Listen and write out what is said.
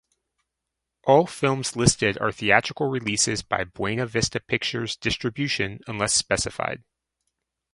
All films listed are theatrical releases by Buena Vista Pictures Distribution unless specified.